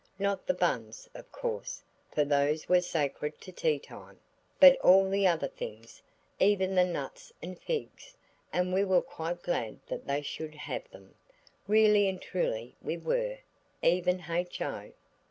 Not the buns, of course, for those were sacred to tea time, but all the other things, even the nuts and figs, and we were quite glad that they should have them–really and truly we were, even H.O.!